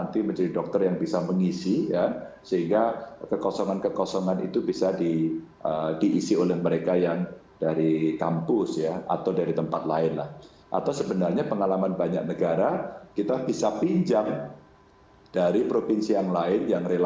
terima kasih pak dir